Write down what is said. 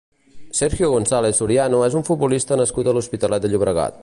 Sergio González Soriano és un futbolista nascut a l'Hospitalet de Llobregat.